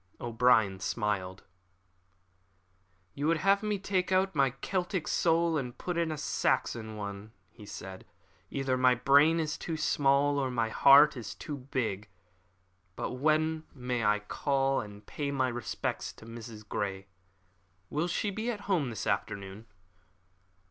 O'Brien smiled. "You would have me take out my Celtic soul and put in a Saxon one," he said. "Either my brain is too small or my heart is too big. But when may I call and pay my respects to Mrs. Grey? Will she be at home this afternoon?"